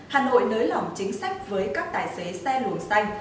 hà nội nới lỏng chính sách với các tài xế xe luồng xanh